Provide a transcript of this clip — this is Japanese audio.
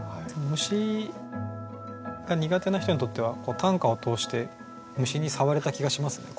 虫が苦手な人にとっては短歌を通して虫に触れた気がしますね。